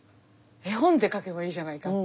絵本で書けばいいじゃないかっていう。